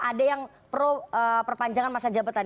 ada yang pro perpanjangan masa jabatan